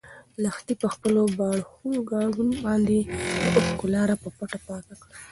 لښتې په خپلو باړخوګانو باندې د اوښکو لاره په پټه پاکه کړه.